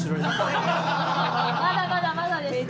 まだまだまだです。